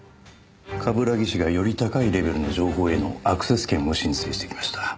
冠城氏がより高いレベルの情報へのアクセス権を申請してきました。